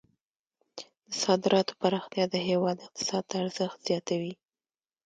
د صادراتو پراختیا د هیواد اقتصاد ته ارزښت زیاتوي.